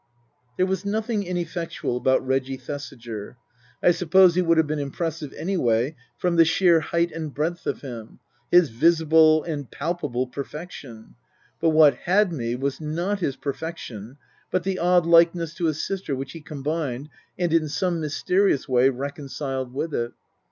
There was nothing ineffectual about Reggie Thesiger. I suppose he would have been impressive any way from the sheer height and breadth of him, his visible and pal pable perfection ; but what " had " me was not his per fection, but the odd likeness to his sister which he com bined, and in some mysterious way reconciled, with it.